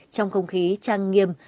trong không khí trang nghiêm